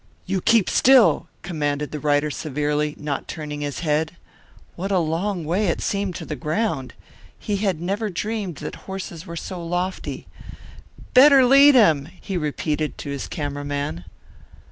"You keep still," commanded the rider severely, not turning his head. What a long way it seemed to the ground! He had never dreamed that horses were so lofty. "Better lead him," he repeated to his camera man.